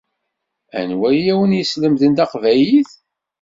Anwa i awen-yeslemden taqbaylit?